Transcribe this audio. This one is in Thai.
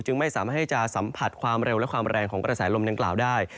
ไม่สามารถให้จะสัมผัสความเร็วและความแรงของกระแสลมดังกล่าวได้